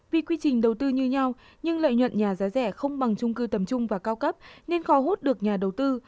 vì quy trình đầu tư như nhau nhưng lợi nhuận nhà giá rẻ không bằng chung cư tầm chung và cao cấp nên khó hút được nhà đầu tư